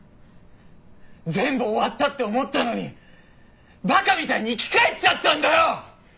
全部終わったって思ったのに馬鹿みたいに生き返っちゃったんだよ！